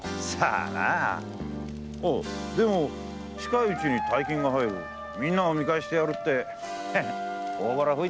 ああでも近いうちに大金が入るみんなを見返してやるって大ボラ吹いてたけどな。